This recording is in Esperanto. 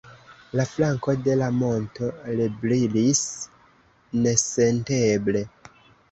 La flanko de la monto rebrilis nesenteble.